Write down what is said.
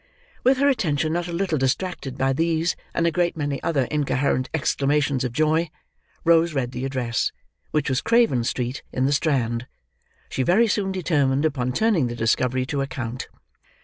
With her attention not a little distracted by these and a great many other incoherent exclamations of joy, Rose read the address, which was Craven Street, in the Strand. She very soon determined upon turning the discovery to account.